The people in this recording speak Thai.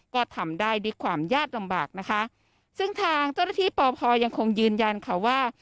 ก็ทำได้ด้วยความยากลำบากนะคะซึ่งทางเจ้าหน้าที่ปพยังคงยืนยันค่ะว่า